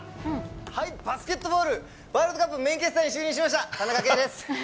はい、バスケットボールワールドカップメインキャスターに就任しました田中圭です。